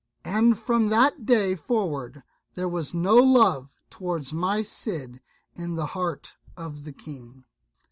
And from that day forward there was no love toward my Cid in the heart of the King.